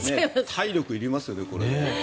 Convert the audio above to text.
体力いりますよね、これ。